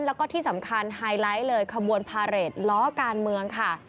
แล้วก็ที่สำคัญไฮไลท์เลยขบวนพาเรทล้อการเมืองค่ะ